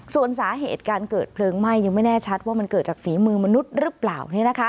ส่วนสาเหตุการเกิดเพลิงไหม้ยังไม่แน่ชัดว่ามันเกิดจากฝีมือมนุษย์หรือเปล่า